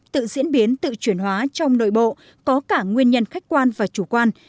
tự diễn biến tự chuyển hóa trong nội bộ có cả nguyên nhân khách quan và chủ quan